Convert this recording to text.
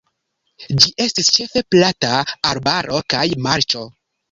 Ĝi estis ĉefe plata arbaro kaj marĉo.